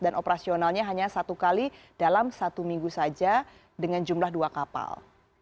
dan operasionalnya hanya satu kali dalam satu minggu saja dengan jumlah dua kapal